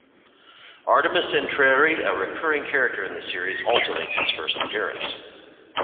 Artemis Entreri, a recurring character in the series, also makes his first appearance.